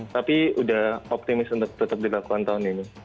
tapi udah optimis untuk tetap dilakukan tahun ini